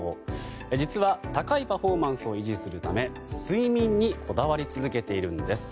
実は、高いパフォーマンスを維持するため睡眠にこだわり続けているんです。